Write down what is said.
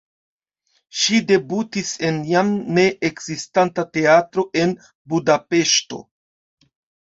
Ŝi debutis en jam ne ekzistanta teatro en Budapeŝto.